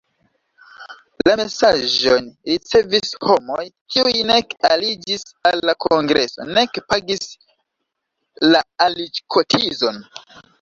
La mesaĝojn ricevis homoj, kiuj nek aliĝis al la kongreso nek pagis la aliĝkotizon.